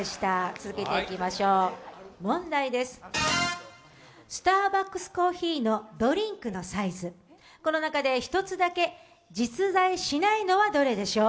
続いてまいりましょう、スターバックスコーヒーのドリンクのサイズ、この中で１つだけ実在しないのはどれでしょう？